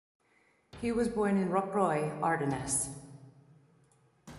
He was born in Rocroi, Ardennes.